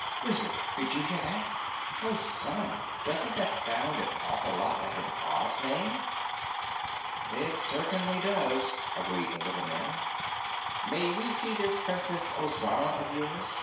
"Wizard, did you hear that? Ozana doesn't that sound an awful lot like an Oz name?" "It certainly does," agreed the little man. "May we see this Princess Ozana of yours?"